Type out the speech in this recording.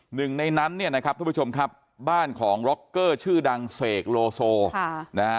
หนึ่งในนันบ้านของล็อคเกอร์ชื่อดังเปึดเสกโลโซส์